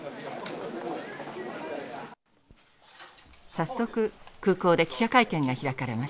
早速空港で記者会見が開かれました。